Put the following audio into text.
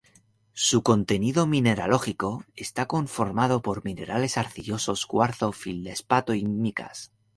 Su contenido mineralógico está conformado por minerales arcillosos, cuarzo, feldespato y micas.